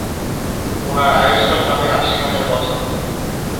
উনার আয়ুষ্কাল হবে আশি হাজার বছর।